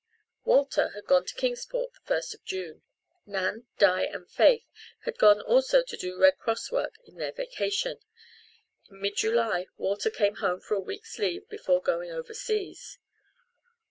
Walter had gone to Kingsport the first of June. Nan, Di and Faith had gone also to do Red Cross work in their vacation. In mid July Walter came home for a week's leave before going overseas.